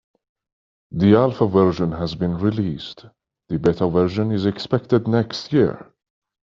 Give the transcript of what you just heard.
The alpha version has been released, the beta version is expected next year.